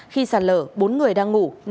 khi sạt lở bốn người đang ngủ nên bị đất đá vùi lấp